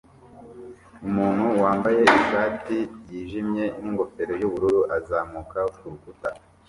Umuntu wambaye ishati yijimye n'ingofero yubururu azamuka kurukuta